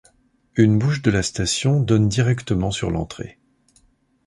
Une bouche de la station donne directement sur l'entrée.